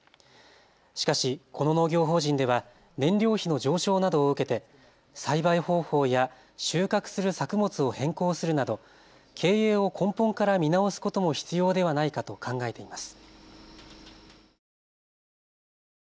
しかし、この農業法人では燃料費の上昇などを受けて栽培方法や収穫する作物を変更するなど経営を根本から見直すことも必要ではないかと考えています。